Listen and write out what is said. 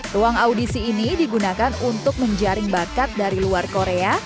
ruang audisi ini digunakan untuk menjaring bakat dari luar korea